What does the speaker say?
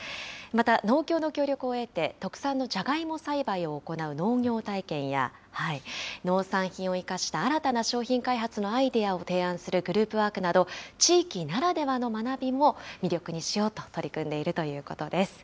また、農協の協力を得て、特産のジャガイモ栽培を行う農業体験や、農産品を生かした新たな商品開発のアイデアを提案するグループワークなど、地域ならではの学びも、魅力にしようと取り組んでいるということです。